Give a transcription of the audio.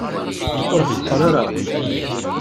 Ur ḥeqqer ara.